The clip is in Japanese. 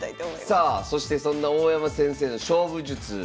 さあそしてそんな大山先生の勝負術。